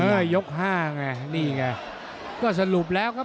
หรือว่าผู้สุดท้ายมีสิงคลอยวิทยาหมูสะพานใหม่